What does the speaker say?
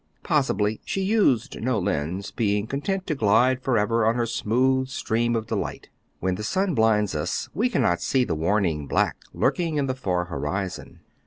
Possibly she used no lens, being content to glide forever on her smooth stream of delight. When the sun blinds us, we cannot see the warning black lurking in the far horizon.